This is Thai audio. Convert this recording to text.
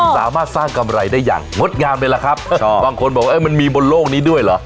สามารถสร้างกำไรได้อย่างงดงามเลยล่ะครับบางคนบอกว่ามันมีบนโลกนี้ด้วยเหรอ